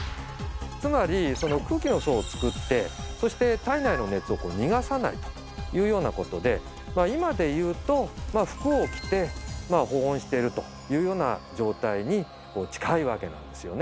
つまりその空気の層を作ってそして体内の熱を逃がさないというようなことで今で言うと服を着て保温してるというような状態に近いわけなんですよね。